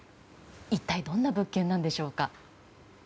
一体どんな物件なのでしょうか。